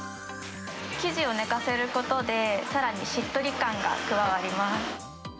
生地を寝かせることで、さらにしっとり感が加わります。